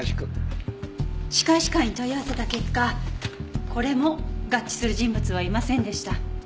歯科医師会に問い合わせた結果これも合致する人物はいませんでした。